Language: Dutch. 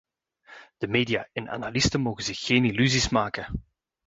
De media en analisten mogen zich geen illusies maken.